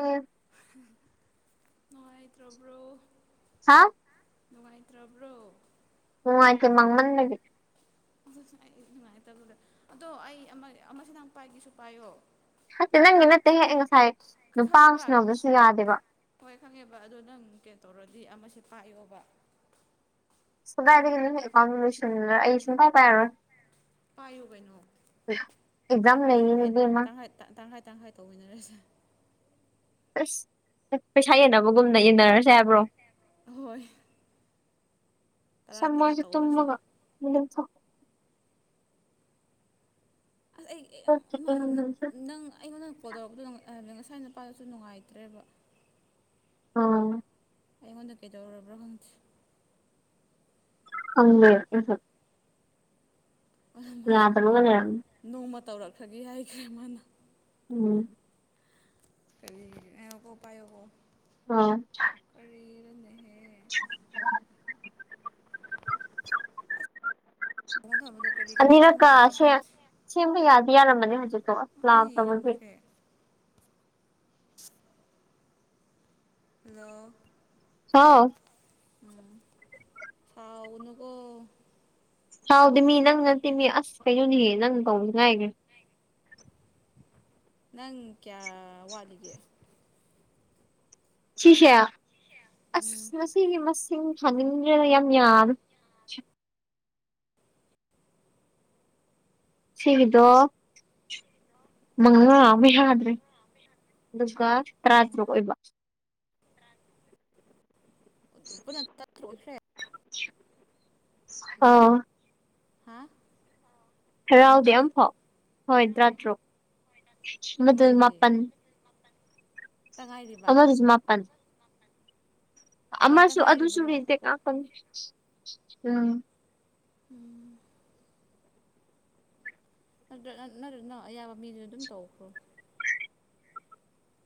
ꯑꯥ ꯅꯨꯡꯉꯥꯏꯇ꯭ꯔꯕ꯭ꯔꯣ ꯍꯥꯥ ꯅꯨꯡꯉꯥꯏꯇ꯭ꯔꯕ꯭ꯔꯣ ꯅꯨꯡꯉꯥꯏꯇꯦ ꯃꯥꯡꯃꯪ [unintelligible] [unintelligible] ꯑꯗꫭ ꯑꯩ ꯑꯃ ꯑꯃꯁ‌ꯦ ꯅꯪ ꯄꯥꯏꯒꯦꯁꯨ ꯄꯥꯏꯌꯣ ꯅꯠꯇ‌ꯦ ꯅꯪꯒꯤ ꯅꯠꯇꯦꯍ‌ꯦ ꯑꯩꯒ ꯉꯁꯥꯏ ꯅꯨꯄꯥ ꯈꯪꯉꯦꯕ ꯑꯃꯁꯤꯅꯗꯁꯨ ꯌꯥꯗꯦꯕ ꯍꯣꯏ ꯈꯪꯉꯦꯕ ꯑꯗꯣ ꯅꯪ ꯀꯩ ꯇꯧꯔꯗꯤ ꯑꯃꯁꯦ ꯄꯥꯏꯌꯣꯕ ꯁꯨꯡꯗꯥꯏꯗꯤ ꯀꯩꯅꫭ ꯅꯪꯅ ꯑꯩꯀꯥꯎꯗꫭ ꯂꫭꯏꯁꯟꯗꯅ ꯑꯩ ꯁꯨꯡ ꯄꯥꯏꯔꯥꯔꯣ ꯄꯥꯏꯌꯨ ꯀꯩꯅꯣ ꯑꯦꯛꯖꯥꯝ ꯇꯪꯈꯥꯏ ꯂꯩꯌꯦꯅꯦ ꯇꯪꯈꯥꯏ ꯏꯕꯦꯝꯃ ꯇꯪꯈꯥꯏ ꯇꯪꯈꯥꯏ ꯇꯪꯈꯥꯏ ꯇꯧꯃꯤꯟꯅꯔꯁꯦ ꯑꯁ ꯄꯩꯁꯥ ꯌꯦꯟꯅꯕꯒꯨꯝꯅ ꯌꯦꯟꯅꯔꯁꯦ ꯍꯥꯏꯕ꯭ꯔꯣ ꯍꯣꯏ ꯇꯔꯥ ꯁꯝꯃꫭ ꯇꯔꯥ ꯑꯩꯖꯨ ꯇꯧꯔꯁꯦ ꯇꯨꯝꯃꯒ ꯅꯨꯡꯗꯤꯟ ꯑꯁ ꯑꯩ [unintelligible] ꯅꯪ ꯑꯩꯉꯣꯟꯗ ꯀꯣ ꯇꯧꯔꯛꯄꯗ ꯍꯥꯏꯕ ꯉꯁꯥꯏ ꯅꯨꯄꯥꯗꯨꯁꯨ ꯅꯨꯡꯉꯥꯏꯇ꯭ꯔꯦꯕ ꯑꯥ ꯑꯩꯉꯣꯟꯗ ꯀꯩꯗꯧꯔꯕ꯭ꫪ ꯈꯪꯗ‌ꯦ ꯈꯪꯗꯦ ꯑꯩꯁꯨ ꯌꯥꯗꯕꯒ ꯂꯩꯔꯝꯃꯦ ꯅꯣꯡꯃ ꯇꯧꯔꯛꯈꯅꯤ ꯍꯥꯏꯈ꯭ꯔꯦ ꯃꯥꯅ꯫ ꯎꯝ ꯀꯔꯤꯒꯤ ꯑ ꯉꯥꯏꯈꫭꯀꫭ ꯄꯥꯏꯌꫭꯀꫭ ꯋꯥꯟ ꯀꯔꯤꯅꫭꯅ‌ꯦ [unintelligible] ꯄꯣꯡꯊꯥꯕꯗꯨ ꯀꯔꯤ - ꯀꯔꯤ ꯑꯅꯤꯔꯛꯀ ꯆꯪꯈ꯭ꯔꯕ꯭ꯔꯣ ꯁꯦ ꯈꯪꯊ‌ꯦ꯫ ꯁꯦꯝꯕ ꯌꯥꯗꯤ ꯌꯥꯔꯝꯕꯅꯦ ꯍꯧꯖꯤꯛꯇꯣ ꯑꯁ ꯑꯩꯅ ꯂꯥꯛꯇꯕꯒꯤ ꯉꯝꯈ꯭ꯔꯦ ꯍꯥꯂꫭ [unintelligible] ꯎꯝ ꯀꯥꯎꯒꯅꯨꯀꯣ ꯁꯥꯎꯗꯦꯃꯤ ꯅꯪ ꯅꯠꯇꯦ ꯃꯤ ꯑꯁ ꯀꯩꯅꯣꯅꯦ ꯍꯦ ꯅꯪ ꯇꯧꯕꯒꯤ ꯉꯥꯏꯔꯦ ꯅꯪ ꯀꯌꯥ ꯋꯥꯠꯂꯤꯒꯦ ꯁꯤꯁꯦ ꯑꯁ ꯎꯝ ꯉꯁꯤꯒꯤ ꯃꯁꯤꯡ ꯊꯥꯡꯅꯤꯡꯗ꯭ꯔꯅ ꯌꯥꯝ ꯌꯥꯝ ꯁꯤꯕꯤꯗꯣ ꯃꯉꯥ ꯑꯃ ꯍꯥꯗ [unintelligible] ꯑꯣ ꯇꯔꯥꯇꯔꯨꯛ ꯑꯣꯏꯕ [unintelligible] ꯑ ꯍꯥꯥ ꯍꯔꯥꯎꯗꯦ ꯑꯃꯐꯥꯎ ꯍꯣꯏ ꯇꯔꯥꯇꯔꯨꯛ ꯑꯃꯗꯨꯅ ꯑꯃꯗꯨꯗꯤ ꯃꯥꯄꯟ ꯇꯉꯥꯏꯔꯤꯕ ꯑꯃꯗꯨꯖꯨ ꯃꯥꯄꯟ ꯃꯥꯄꯜ ꯑꯃꯁꯨ ꯑꯗꯨꯁꯨ ꯇꯉꯥꯏꯔꯤꯕ꯭ꯔꯣ ꯃꯤꯇ‌ꯦꯛ ꯉꯥꯛꯇꯅꯤ ꯎꯝ ꯎꯝ [unintelligible] ꯑꯌꯥꯕ ꯃꯤꯗꯨ ꯑꯗꯨꯝ ꯇꯧꯈ꯭ꯔꯣ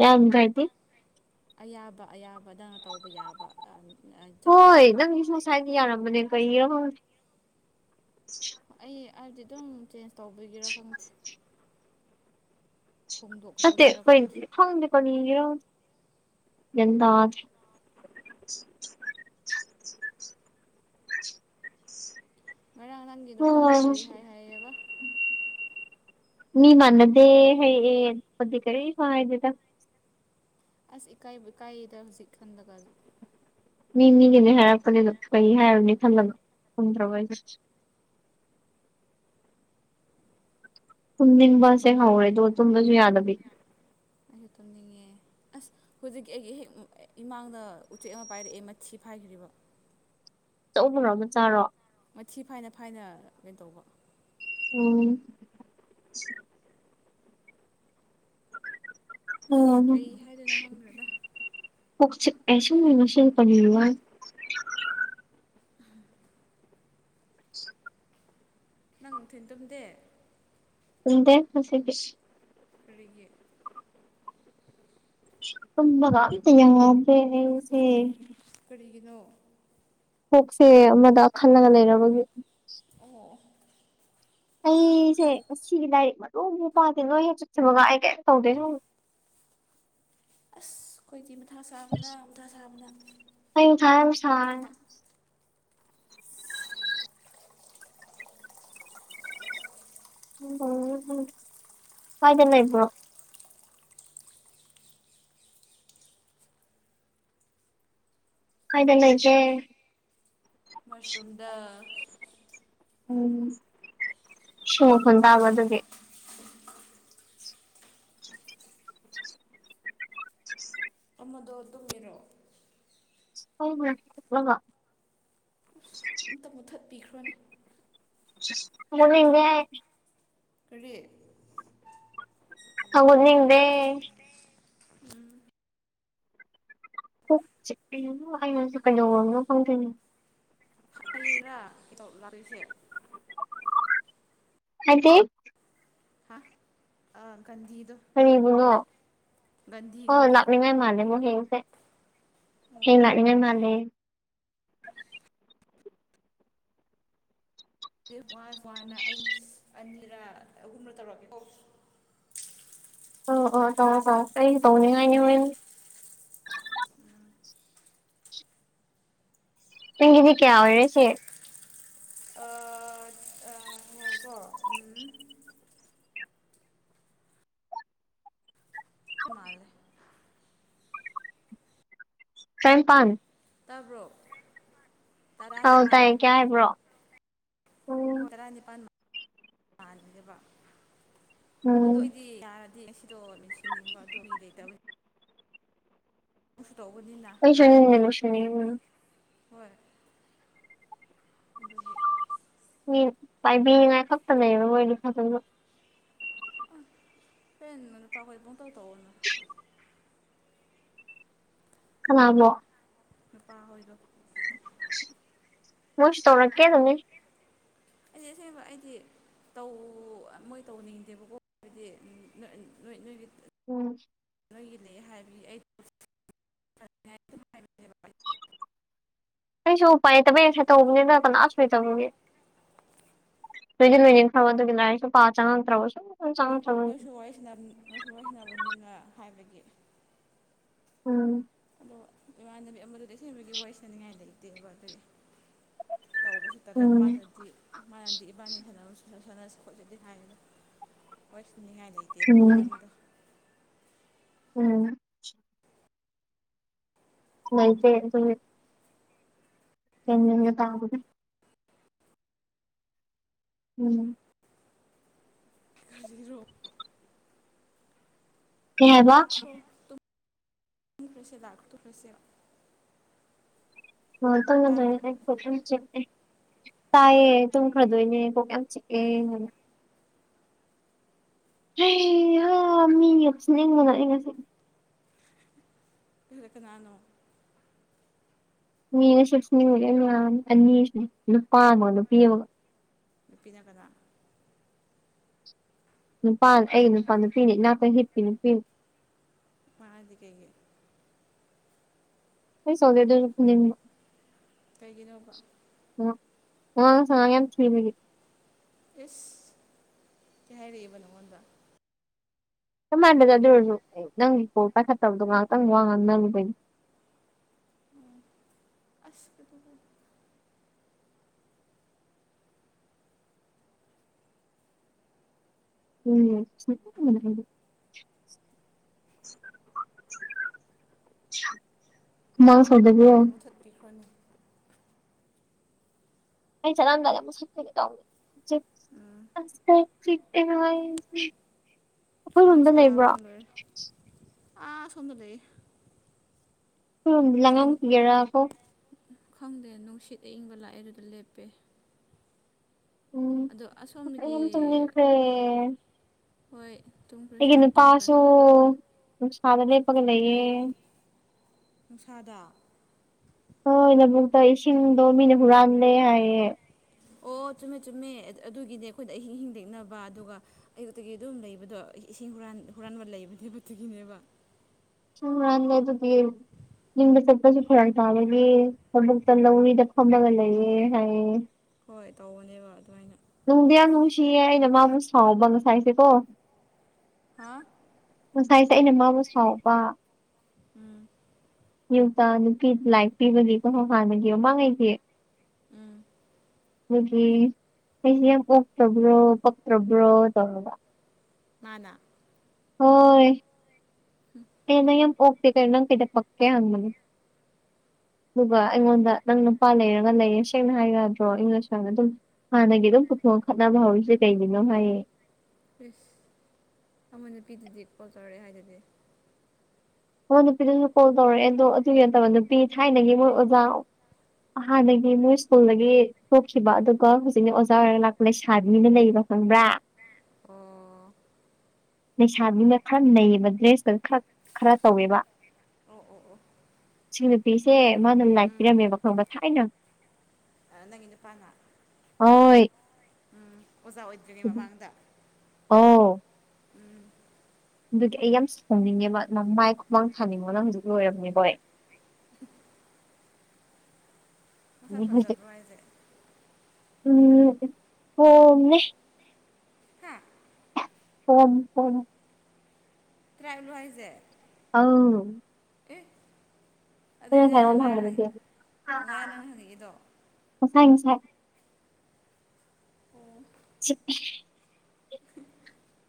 ꯌꯥꯝ ꯗꯥꯏꯗꯤ ꯑꯌꯥꯕ ꯑꯌꯥꯕ ꯅꯪꯅ ꯇꯧꯕ ꯌꯥꯕ ꯆꯠꯄ ꯍꯣꯏ ꯅꯪꯒꯤꯁꯨꯉꯁꯥꯏꯅ ꯌꯥꯔꯝꯕꯅꯦ ꯀꯩꯔ ꯈꯪꯗꯦ꯫ ꯑꯩ ꯍꯥꯏꯕꯗꯤ ꯑꯗꯨꯝ ꯆꯦꯟꯁ ꯇꯧꯕꯒꯤꯔ ꯈꯪꯗ‌ꯦ ꯆꯠꯇꯦ ꯈꯪꯗꯦ ꯀꯔꯤꯒꯤꯔꯥ ꯒꯌ꯭ꯥꯟ ꯇꯥꯗꯦ꯫ [unintelligible] ꯉꯔꯥꯡ ꯅꯪꯒꯤ ꯅꯨꯄꯥꯗꫭ ꯀꯔꯤ ꯍꯥꯏ ꯍꯥꯏꯌꯦꯕ? ꯃꯤ ꯅꯥꯟꯅꯗꯦ ꯍꯥꯏꯌꯛꯑꯦ [unintelligible] ꯀꯔꯤꯁꯨ ꯍꯥꯏꯗꯦꯗ꯫ ꯑꯁ ꯏꯀꯥꯏꯕꯨ ꯏꯀꯥꯏꯔꯤꯗ ꯍꯧꯖꯤꯛ ꯈꯟꯕꯒ꯫ ꯃꯤ ꯃꯤꯒꯤꯅꯦ ꯍꯥꯏꯔꯛꯄꯅꯦ ꯑꯗꯨꯝ ꯀꯩ ꯍꯥꯏꯔꯨꯅꯤ ꯈꯜꯂꯒ ꯈꯨꯝꯗ꯭ꯔꯕ ꯑꯩꯁꯨ꯫ ꯇꯨꯝꯅꯤꯡꯕꯁꯦ ꯍꯧꯔꯦ ꯑꯗꫭ ꯇꯨꯝꯕꯁꯨ ꯌꯥꯗꯕꯤ꯫ ꯑꯩꯁꯨ ꯇꯨꯝꯅꯤꯡꯉꯦ ꯑꯁ ꯍꯧꯖꯤꯛꯀꯤ ꯑꯩꯒꯤ ꯍꯦꯛ ꯏꯃꯥꯡꯗ ꯎꯆꯦꯛ ꯑꯃ ꯄꯥꯏꯔꯛꯑꯦ ꯃꯊꯤ ꯐꯥꯏꯈ꯭ꯔꯤꯕ꯫ ꯑꯆꯧꯕꯔꫭ ꯃꯆꯥꯔꫭ? ꯃꯊꯤ ꯐꯥꯏꯅ- ꯐꯥꯏꯅ ꯀꯩꯅꫭ ꯇꯧꯕ ꯎꯝ ꯑꯁ ꯀꯩ ꯍꯥꯏꯗꯣꯏꯅꯣ ꯈꯪꯗ꯭ꫪ‌ꯦꯗ꯫ [unintelligible] [unintelligible] ꯅꯪ ꯅꯨꯡꯊꯤꯟꯇꯨꯝꯗꯦ [unintelligible] ꯀꯔꯤꯒꯤ? ꯇꯨꯝꯕꯒꯥ ꯑꯝꯇ ꯌꯥꯗꯦ ꯑꯩꯁꯦ ꯀꯔꯤꯒꯤꯅꯣ? ꯀꯣꯛꯁꯦ ꯑꯃꯗ ꯈꯜꯂꯒ ꯂꯩꯔꯕꯒꯤ ꯑꯣ ꯑꯩꯁꯦ ꯉꯁꯤꯒꯤ ꯂꯥꯏꯔꯤꯛ ꯃꯔꯨ ꯑꯝꯕꯨ ꯄꯥꯗꯦ ꯅꯣꯏ [unintelligible] ꯑꯩ ꯀꯩꯝ ꯇꯧꯗꯦ ꯁꯨꯝ ꯑꯁ ꯈꯣꯏꯗꯤ ꯃꯊꯥ ꯁꯥꯕꯅ ꯃꯊꯥ ꯁꯥꯕꯅ ꯑꯩ ꯃꯊꯥ ꯌꯥꯝ ꯁꯥꯢ [unintelligible] ꯀꯥꯏꯗ ꯂꯩꯕ꯭ꯔꯣ ꯀꯥꯏꯗ ꯂꯩꯒꯦ ꯃꯁꯔꯨꯝꯗ ꯎꯝ ꯢꯁꯤꯡ ꯃꯈꯣꯟ ꯇꯥꯕ ꯑꯗꯨꯗꯤ [unintelligible] ꯑꯃꯗꯣ ꯇꯨꯝꯃꯤꯔꯣ? [unintelligible] ꯑꯝꯇ ꯃꯨꯠꯊꯠꯄꯤꯈ꯭ꯔꯣꯅꯦ [unintelligible] ꯀꯔꯤ? ꯍꯧꯒꯠꯅꯤꯡꯗꯦ ꯀꯣꯛ ꯆꯤꯛ ꯑ ꯑꯩ ꯉꯁꯤ ꯀꯩꯗꯧꯔꯕꯅꯣ ꯈꯪꯗꯦꯅꯦ꯫ ꯍꯌꯦꯡꯔꯥ [unintelligible] ꯂꯥꯛꯂꯤꯁꯦ ꯍꯥꯏꯗꯤ ꯍꯥ ꯑ ꯒꯟꯗꯤꯗꯣ ꯀꯔꯤꯕꯨꯅꯣ ꯑꯣ ꯒꯥꯟꯙꯤ ꯂꯥꯛꯅꯤꯡꯉꯥꯏ ꯃꯥꯜꯂꯦ ꯃꯣꯏ ꯌꯦꯡꯁꯦ [unintelligible] ꯃꯥꯜꯂꯦ ꯋꯥꯔꯁꯨ ꯋꯥꯅ ꯑꯩ ꯑꯅꯤꯔ ꯑꯍꯨꯝꯔ ꯇꯧꯔꯒꯦꯀꯣ ꯑꯣ ꯑꯣ ꯇꯧꯑꯣ ꯇꯧꯑꯣ ꯑꯩꯁꯨ ꯇꯧꯅꯤꯡꯉꯥꯢꯅꯤ ꯍꯣꯔꯦꯟ ꯎꯝ ꯅꯪꯒꯤꯗꯤ ꯀꯌꯥ ꯑꯣꯏꯔꯦ ꯁꯤ ꯑꯥ ꯑꯥꯅꯦ ꯀꯣ ꯎꯝ ꯁꯨ ꯃꯥꯜꯂꯦ ꯇ꯭ꯔꯥꯅꯤꯄꯥꯟ ꯇꯥꯕ꯭ꯔꯣ ꯑꯧ ꯇꯔꯥꯅꯤꯄꯥꯟ ꯇꯥꯏꯌꯦ ꯀꯌꯥ ꯍꯥꯏꯕ꯭ꯔꯣ ꯍꯣ ꯎꯝ ꯇꯔꯥꯅꯤꯄꯥꯟ [unintelligible] ꯑꯗꯨ ꯎꯝ ꯑꯩꯗꯤ ꯌꯥꯔꯗꯤ ꯁꯤꯗꯣ ꯂꯣꯏꯁꯤꯟꯅꯤꯡꯕ ꯑꯣ ꯃꯤ ꯂꯩꯇꯕꯅꯤ ꯅꯪꯁꯨ ꯇꯧꯕꯅꯤꯅ [unintelligible] ꯍꯣꯏ ꯑꯗꯨꯒꯤ ꯃꯤ ꯄꯥꯏꯕꯤꯅꯤꯉꯥꯏ ꯈꯛꯇ ꯂꯩꯕ ꯑꯣꯢꯔꯗꯤ ꯐꯗꯣꯢꯕ [unintelligible] ꯅꯨꯄꯥ ꯍꯣꯢ ꯄꯨꯡꯇꯧ ꯇꯧꯋꯣꯅ [inaudible] ꯀꯅꯥꯕꯣ ꯅꯨꯄꯥ ꯍꯣꯏꯗꯣ ꯃꯣꯁꯨ ꯇꯧꯔꯛꯀꯦ ꯑꯗꯨꯅꯤ ꯑꯩꯗꯤ ꯑꯁꯦꯡꯕ ꯑꯩꯗꯤ ꯇꯧ ꯃꯣꯏ ꯇꯧꯅꯤꯡꯗꯦꯕꯀꯣ ꯍꯥꯏꯕꯗꯤ ꯅꯣꯏ ꯅꯣꯏꯒꯤ ꯎꯝ ꯅꯣꯏꯒꯤ ꯂꯩ ꯍꯥꯏꯕꯒꯤ ꯑꯩ ꯑꯗꯨꯝ ꯍꯥꯏꯕꯅꯦꯕ ꯑꯩꯁꯨ ꯎꯄꯥꯏ ꯉꯁꯥꯢ ꯇꯧꯕꯅꯦꯕ ꯀꯅꯥꯁꯨ ꯂꯩꯇꯕꯒꯤ [unintelligible] ꯑꯗꯨꯒꯤ ꯂꯥꯢꯔꯤꯛꯁꯨ ꯄꯥ ꯆꯪꯉꯛꯇ꯭ꯔꯕ ꯁꯨꯝ ꯅꯣꯏꯁꯨ ꯋꯥꯔꯤꯁꯤ ꯁꯅꯥ ꯅꯣꯏꯁꯨ ꯋꯥꯔꯤꯁꯤꯅꯕꯅꯤꯅ ꯍꯥꯏꯕꯒꯤ ꯎꯝ ꯑꯗꯣ ꯏꯃꯥꯟꯅꯕꯤ ꯑꯃꯗ ꯇꯦꯛꯁꯤꯟꯕꯒꯤ ꯋꯥꯔꯤ ꯁꯅꯤꯡꯉꯥꯏ ꯂꯩꯇꯦꯕ ꯑꯗꯨꯒꯤ ꯇꯧꯕꯁꯤ ꯇꯂꯦ ꯎꯝ ꯃꯥꯅꯗꯤ ꯃꯥꯅꯗꯤ ꯏꯕꯥꯅꯤ ꯁꯥꯟꯅꯔ ꯁ ꯁꯥꯟꯅꯔꯁꯨ ꯈꯣꯠꯆꯗꯦ ꯍꯥꯏꯅ ꯍꯣꯏ ꯁꯨꯅꯤꯡꯉꯥꯏ ꯂꯩ ꯇꯦꯕ ꯎꯝ ꯃꯔꯝꯗꯣ ꯎꯝ ꯂꯩꯇꯦ ꯑꯗꯨꯒꯤ [unintelligible] ꯎꯝ [unintelligible] ꯀꯩ ꯍꯥꯏꯕ ꯂꯥꯛꯈ꯭ꯔꯣ [unintelligible] ꯇꯥꯕ꯭ꯔꯣ [unintelligible] ꯇꯥꯢꯌꯦ ꯇꯨꯝꯈꯔꯗꯣꯢꯅꯦ ꯀꯣꯛ ꯌꯥꯝ ꯆꯤꯛ ꯑꯦ ꯍꯩ ꯍꯥ ꯃꯤ ꯌꯤꯝ ꯁꯤꯟꯅꯤꯡꯕꯅ ꯑꯩ ꯉꯁꯤꯗꯤ ꯀꯔ ꯀꯅꯥꯅꯣ ꯃꯤ ꯉꯁꯤ [unintelligible] ꯃꯌꯥꯝ ꯑꯅꯤ ꯁꯨꯢ ꯅꯨꯄꯥ ꯑꯃꯒ ꯅꯨꯄꯤ ꯑꯃꯒ ꯅꯨꯄꯤꯅ ꯀꯅꯥ ꯅꯨꯄꯥ ꯑꯩ ꯅꯨꯄꯥ ꯅꯨꯄꯤꯅꯤ ꯏꯅꯥꯛꯇ ꯍꯤꯞꯄꯤ ꯅꯨꯄꯤ ꯃꯥꯗꯤ ꯀꯩꯒꯤ [unintelligible] ꯀꯩꯒꯤꯅꯣꯕ? ꯑꯣ ꯑꯉꯥꯡ ꯁꯉꯥꯡ ꯌꯥꯝ ꯊꯤꯕꯒꯤ꯫ ꯑꯦꯁ ꯀꯩ ꯍꯥꯏꯔꯛꯏꯕ ꯅꯉꯣꯟꯗ? ꯀꯃꯥꯏꯅꯒꯣ ꯑꯗꯨ ꯑꯣꯏꯔꯁꯨ ꯅꯪꯒꯤ ꯀꯣꯜ ꯄꯥꯏꯈꯠꯇꯕꯗꯣ ꯉꯥꯏꯍꯥꯛꯇꯪ ꯋꯥ ꯉꯥꯡ ꯅꯔꯨꯕꯩꯅꯤ ꯑꯁ ꯑꯗꯨꯕꯨ ꯎꯝ [unintelligible] ꯆꯠꯄꯤꯈ꯭ꯔꯅꯤ ꯑꯩ ꯆꯠꯂꯝꯗꯥꯏꯗ [unintelligible] ꯎꯝ ꯑꯁ ꯐꯣꯟ ꯑꯩꯈꯣꯏꯔꯣꯝꯗ ꯂꯩꯕ꯭ꯔꯣ? ꯁꯥꯕꯅ ꯂꯣꯏꯔꯦ ꯑꯥ ꯁꯣꯝꯗ ꯂꯩꯌꯦ꯫ ꯁꯤꯗ [unintelligible] ꯈꯪꯗꯦ ꯅꯨꯡꯁꯤꯠ ꯑꯏꯪꯕ ꯂꯥꯛꯑꯦ ꯑꯗꯨꯗ ꯂꯦꯞꯄꯦ꯫ ꯎꯝ ꯑꯗꯣ ꯑꯩ ꯑꯁꯣꯝꯗꯒꯤ ꯌꯥꯝ ꯇꯨꯝꯅꯤꯡꯈꯔ꯭ꯦ ꯍꯣꯏ ꯇꯨꯝ ꯑꯩꯒꯤ ꯅꯨꯄꯥꯁꯨ ꯅꯨꯡꯁꯥꯗ ꯂꯦꯞꯄꯒ ꯂꯩꯌꯦ꯫ ꯅꯨꯡꯁꯥꯗ ꯍꯣꯏ ꯂꯕꯨꯛꯇ ꯏꯁꯤꯡꯗꯣ ꯃꯤꯅ ꯍꯨꯔꯥꯜꯂꯦ ꯍꯥꯏꯌꯦ꯫ ꯑꯣ ꯆꯨꯝꯃꯦ - ꯆꯨꯝꯃꯦ ꯑꯗꯨꯒꯤꯅꯦ ꯑꯩꯈꯣꯏꯗ ꯑꯍꯤꯡ ꯍꯤꯡ ꯂꯦꯛꯅꯕ ꯑꯗꯨꯒ ꯑꯌꯨꯛꯇꯒꯤ ꯑꯗꯨꯝ ꯂꯩꯕꯗꯣ ꯏꯁꯤꯡ ꯍꯨꯔꯥꯟ ꯍꯨꯔꯥꯟꯕ ꯂꯩꯕꯅꯦꯕ ꯗꯨꯒꯤꯅꯦꯕ꯫ [unintelligible] ꯑꯗꯨꯒꯤ ꯌꯨꯝꯗ ꯆꯠꯄꯁꯨ ꯐꯔꯛ ꯇꯥꯕꯒꯤ ꯂꯕꯨꯛꯇ ꯂꯧꯔꯤꯗ ꯐꯝꯃꯒ ꯂꯩꯌꯦ ꯍꯥꯏꯌꯦ꯫ ꯍꯣꯏ ꯇꯧꯕꯅꯦꯕ ꯑꯗꯨꯃꯥꯏꯅ ꯅꯨꯡꯗꯤ ꯌꯥꯝ ꯅꯨꯡꯁꯤꯌꯦ ꯑꯩꯅ ꯃꯥꯕꯨ ꯉꯁꯥꯏꯁꯦ ꯀꯣ꯫ ꯍꯥꯥ ꯉꯁꯥꯏꯁꯦ ꯑꯩꯅ ꯃꯥꯕꯨ ꯁꯥꯎꯕ ꯎꯝ ꯌꯨꯛꯇ ꯅꯨꯄꯤ ꯂꯥꯏꯛ ꯄꯤꯕꯒꯤꯀꯣ ꯍꯥꯟꯅꯒꯤ ꯃꯃꯥꯡꯉꯩꯒꯤ꯫ ꯎꯝ [unintelligible] ꯑꯩꯖꯤ ꯌꯥꯝ ꯑꯣꯛꯇ꯭ꯔꯕ꯭ꯔꯣ ꯄꯛꯇ꯭ꯔꯕ꯭ꯔꯣ ꯇꯧꯔꯒ꯫ ꯃꯥꯅꯥ ꯍꯣꯏ ꯑꯦ ꯅꯪ ꯌꯥꯝ ꯑꯣꯀꯦ ꯀꯩꯅꯣ ꯅꯪ ꯀꯩ [unintelligible] [unintelligible] ꯑꯗꯨꯒ ꯑꯩꯉꯣꯟꯗ ꯅꯪ ꯅꯨꯄꯥ ꯂꯩꯔꯒ ꯂꯩꯔꯦ ꯁꯦꯡꯅ ꯍꯥꯏꯌꯨ ꯌꯗ꯭ꯔꯣ [unintelligible] ꯑꯗꯨꯝ ꯍꯥꯟꯅꯒꯤ ꯑꯗꯨꯝ ꯄꯨꯊꯣꯛ ꯈꯠꯅꯕ ꯍꯧꯔꯤꯁꯦ ꯀꯩꯒꯤꯅꯣ ꯍꯥꯏꯌꯦ ꯢꯁ ꯑꯃ ꯅꯨꯄꯤꯗꯨꯗꯤ [unintelligible] ꯇꯧꯔꯛꯑꯦ ꯍꯥꯏꯗꯨꯗꯤ ꯑꯃ ꯅꯨꯄꯤꯗꯨꯁꯨ ꯀꯣꯜ ꯇꯧꯔꯛꯑꯦ ꯑꯗꯣ ꯑꯗꯨꯒꯤ ꯅꯠꯇꯕ ꯅꯨꯄꯤ ꯊꯥꯏꯅꯒꯤ ꯃꯣꯏ ꯑꯣꯖꯥ ꯍꯥꯟꯅꯒꯤ ꯃꯣꯏ ꯁ꯭ꯀꯨꯜꯗꯒꯤ ꯊꯣꯛꯈꯤꯕ ꯑꯗꯨꯒ ꯍꯧꯖꯤꯛꯅ ꯑꯣꯖꯥ ꯐꯣꯢꯔꯒ ꯂꯥꯛꯄ ꯂꯩꯁꯥꯕꯤ ꯑꯃ ꯂꯩꯕ ꯈꯪꯕ꯭ꯔꯥ ꯑꯣ ꯂꯩꯩꯁꯥꯕꯤꯅ ꯈꯟꯅꯩꯕ ꯗ꯭ꯔꯦꯁꯇꯨ ꯈꯔ ꯈꯔ ꯇꯧꯋꯦꯕ ꯑꯣ ꯑꯣ ꯑꯣ ꯁꯤ ꯅꯨꯄꯤꯁꯦ ꯃꯥꯅ ꯂꯥꯏꯛ ꯎꯝ ꯄꯤꯔꯝꯃꯦꯕ ꯈꯪꯕ ꯊꯥꯏꯅ ꯅꯪꯒꯤ ꯅꯨꯄꯥꯅ ꯍꯣꯏ ꯎꯝ ꯑꯣꯖꯥ ꯑꯣꯏꯗ꯭ꯔꯤꯉꯩ ꯃꯃꯥꯡꯗ ꯑꯣ ꯎꯝ ꯑꯗꯨꯗꯤ ꯑꯩ ꯌꯥꯝ ꯁꯥꯎꯅꯤꯡꯉꯦꯕ ꯃꯥꯃꯥꯏ ꯈꯨꯃꯥꯡ ꯊꯥꯅꯤꯡꯕꯅ ꯍꯧꯖꯤꯛ ꯂꯣꯏꯔꯕꯝꯅꯦꯀꯣ ꯑꯩ [unintelligible] ꯃꯁꯛ ꯍꯧꯖꯤꯛ ꯐꯖꯕ꯭ꯔꯣ ꯍꯥꯏꯁꯦ ꯎꯝ ꯍꯣꯅꯦ ꯍꯥ ꯐꯣꯟ ꯐꯣꯟ ꯇ꯭ꯔꯥꯏꯕꯂꯣ ꯍꯥꯏꯖꯦ ꯑꯧ ꯑꯦ ꯑꯗꯨꯒꯤ ꯉꯁꯥꯏ ꯅꯪ ꯅꯉꯣꯟꯗ ꯉꯔꯥꯡ ꯍꯥꯡ ꯍꯪꯕꯗꯨꯗꯤ ꯉꯔꯥꯡ ꯅꯪ ꯍꯪꯉꯛꯏꯗꯣ ꯃꯥꯁꯥꯏ ꯃꯥꯁꯥꯏ [unintelligible]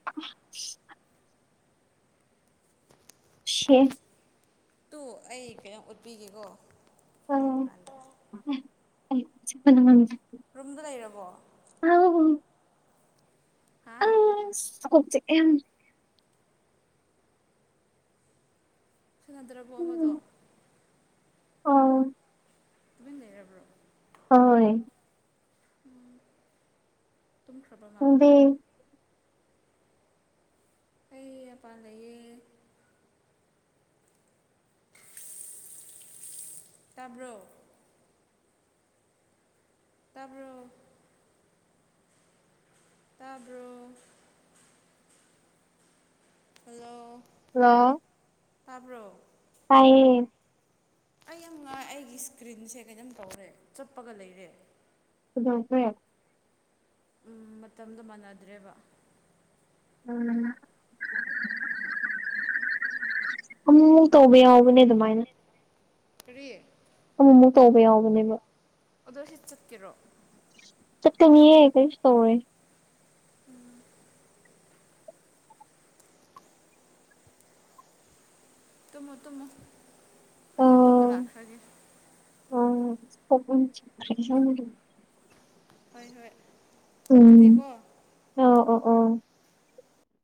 [inaudible] ꯁꯤ [unintelligible] ꯑꯣ ꯑꯩ ꯀꯩꯅꯣꯝ ꯎꯠꯄꯤꯒꯦꯀꯣ ꯂꯥꯛꯄ ꯀꯥꯟꯗ [unintelligible] ꯔꯨꯝꯗ ꯂꯩꯔꯕꯣ [unintelligible] ꯍꯥꯥ ꯑꯁ ꯀꯣꯛ ꯆꯤꯤꯑꯦ ꯌꯥꯝꯅ ꯁꯥꯟꯅꯗ꯭ꯔꯕꯣ ꯑꯃꯗꯣ ꯑꯥꯎ ꯅꯪ ꯂꯩꯔꯕ꯭ꯔꯣ ꯍꯣꯏ ꯇꯨꯝꯈ꯭ꯔꯕ ꯃꯥ ꯅꯪꯗꯤ ꯑꯩꯩ ꯑꯄꯥꯟ ꯂꯩꯌꯦ ꯇꯥꯕ꯭ꯔꯣ ꯇꯥꯔ꯭ꯕꯣ ꯇꯥꯕ꯭ꯔꯣ ꯍꯜꯂꯣ ꯍꯜꯂꯣ ꯇꯥꯕ꯭ꯔꯣ ꯇꯥꯢꯌꯦ ꯑꯩ ꯌꯥꯝ ꯉꯥꯏ ꯑꯩꯒꯤ ꯁꯀ꯭ꯔꯤꯟꯁꯦ ꯀꯩꯅꯣꯝ ꯇꯧꯔꯦ ꯆꯠꯄꯒ ꯂꯩꯔꯦ [unintelligible] ꯃꯇꯝꯗꯣ ꯃꯥꯟꯅꯗ꯭ꯔꯦꯕ ꯎꯝ ꯑꯃꯨ ꯇꯧꯕ ꯌꯥꯎꯕꯅꯦ ꯑꯗꯨꯃꯥꯏꯅ ꯀꯔꯤ ꯑꯃꯃꯨꯛ ꯇꯧꯕ ꯌꯥꯎꯕꯅꯦꯕ ꯑꯗꯣ ꯍꯤꯠ ꯆꯠꯀꯦꯔꯣ ꯆꯠꯀꯅꯤꯌꯦꯦ ꯀꯩꯁꯇꯧꯔꯦ ꯇꯨꯝꯃꯨ ꯇꯨꯝꯃꯨ ꯑ ꯑꯩꯁꯨ ꯇꯨꯝꯕ ꯂꯥꯛꯈ꯭ꯔꯒꯦ [unintelligible] ꯍꯣꯏ ꯍꯣꯏ ꯎꯝ ꯑꯗꯨꯗꯤꯀꯣ ꯑꯣ ꯑꯣ ꯑꯣ